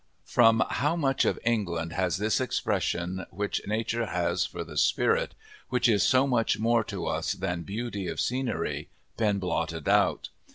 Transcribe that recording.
From how much of England has this expression which nature has for the spirit, which is so much more to us than beauty of scenery, been blotted out!